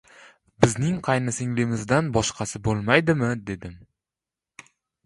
Bizning qaynisinglimizdan boshqasi bo‘lmaydimi? — dedim.